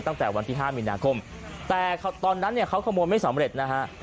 ตั้งแต่วันที่๕มีนาคมแต่ตอนนั้นเนี่ยเขาขโมยไม่สำเร็จนะฮะ